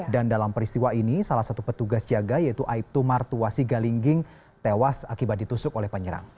dan dalam peristiwa ini salah satu petugas jaga yaitu aiptu martuwasi galingging tewas akibat ditusuk oleh penyerang